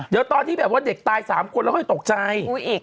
เดี๋ยวตอนที่แบบว่าเด็กตาย๓คนแล้วค่อยตกใจ